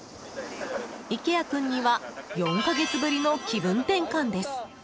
池谷君には４か月ぶりの気分転換です。